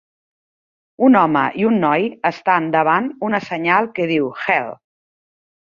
Un home i un noi estan davant una senyal que diu HELL.